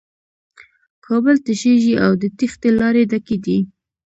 کابل تشېږي او د تېښې لارې ډکې دي.